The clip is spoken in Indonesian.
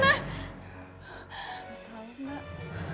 gak tahu mbak